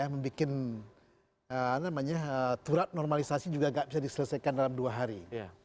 membuat turat normalisasi juga gak bisa diselesaikan dalam dua hari